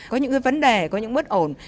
có những vấn đề có những bất ổn